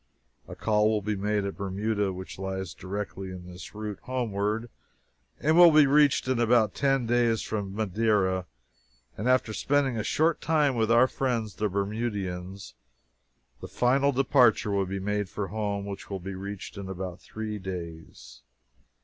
A call will be made at Bermuda, which lies directly in this route homeward, and will be reached in about ten days from Madeira, and after spending a short time with our friends the Bermudians, the final departure will be made for home, which will be reached in about three days.